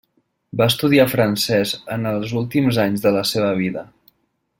Va estudiar francès en els últims anys de la seva vida.